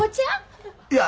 いや。